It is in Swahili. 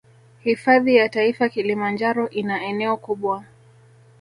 Hifadhi ya taifa kilimanjaro ina eneo kubwa